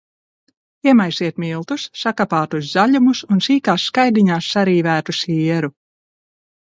Iemaisiet miltus, sakapātus zaļumus un sīkās skaidiņās sarīvētu sieru.